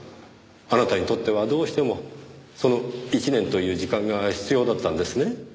あなたにとってはどうしてもその１年という時間が必要だったんですね。